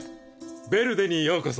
ヴェルデにようこそ。